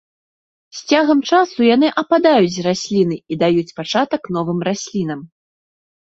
З цягам часу яны ападаюць з расліны і даюць пачатак новым раслінам.